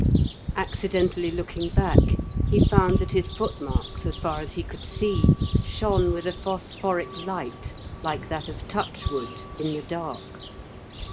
Accidentally looking back, he found that his footmarks, as far as he could see, shone with a phosphoric light like that of "touchwood" in the dark.